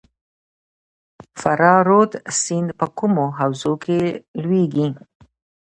فرا رود سیند په کومه حوزه کې لویږي؟